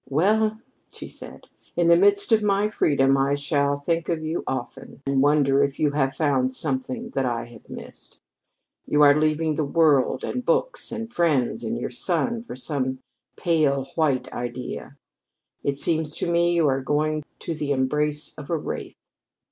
"Well," she said, "in the midst of my freedom I shall think of you often and wonder if you have found something that I have missed. You are leaving the world, and books, and friends, and your son for some pale white idea. It seems to me you are going to the embrace of a wraith."